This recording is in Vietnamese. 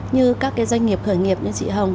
như các doanh nghiệp khởi nghiệp như chị hồng